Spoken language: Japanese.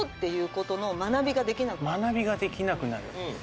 子供が学びができなくなる。